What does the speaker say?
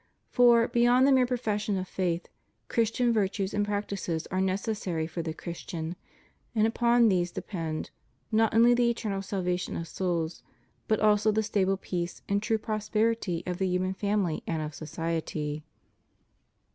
For, beyond the mere profession of faith. Christian virtues and practices are necessary for the Christian; and upon these depend, not only the eternal salvation of souls, but also the stable peace and true pros perity of the human family and of society.